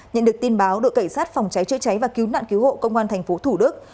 nhận được tin báo đội cảnh sát phòng cháy chữa cháy và cứu nạn cứu hộ công an tp thủ đức